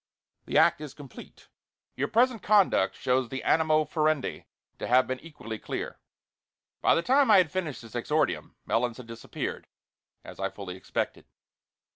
The act is complete. Your present conduct shows the animo furandi to have been equally clear." By the time I had finished this exordium Melons had disappeared, as I fully expected.